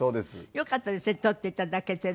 よかったですね撮っていただけてね。